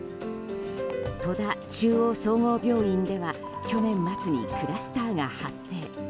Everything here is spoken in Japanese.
戸田中央総合病院では去年末にクラスターが発生。